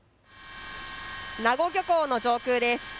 名護漁港上空です。